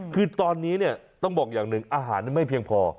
คือตอนนี้เนี่ยต้องบอกอย่างหนึ่งอาหารนั้นไม่เพียงพอ